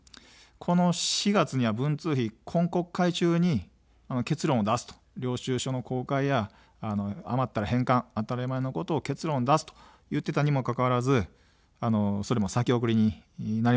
この４月には文通費、今国会中に結論を出すと、領収書の公開や余ったら返還、当たり前のことを結論出すと言っていたにもかかわらず、それも先送りになりました。